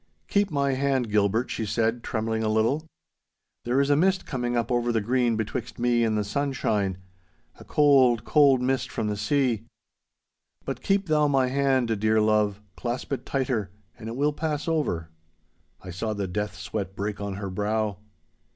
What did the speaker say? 'Keep my hand, Gilbert,' she said, trembling a little, 'there is a mist coming up over the green betwixt me and the sunshine—a cold, cold mist from the sea. But keep thou my hand, dear love, clasp it tighter, and it will pass over.' I saw the death sweat break on her brow.